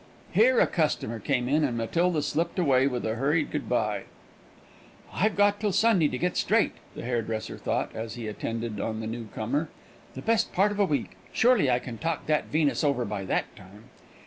Here a customer came in, and Matilda slipped away with a hurried good bye. "I've got till Sunday to get straight," the hairdresser thought, as he attended on the new comer, "the best part of a week; surely I can talk that Venus over by that time."